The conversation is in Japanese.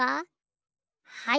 はい。